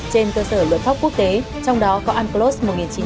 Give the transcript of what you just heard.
trên cơ sở luật pháp quốc tế trong đó có unclos một nghìn chín trăm tám mươi hai